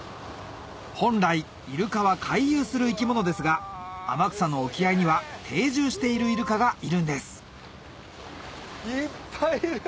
本来イルカは回遊する生き物ですが天草の沖合には定住しているイルカがいるんですいっぱいいる！